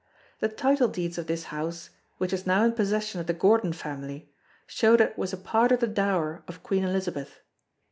The title deeds of this house, which is now in possession of the Gordon family show that it was a part of the dower of Queen Elizabeth.